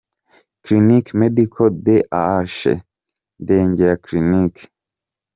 Clinique Medicale de l’Arche, Ndengera Clinic.